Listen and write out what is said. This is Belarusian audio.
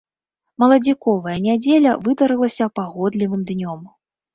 Маладзіковая нядзеля выдарылася пагодлівым днём.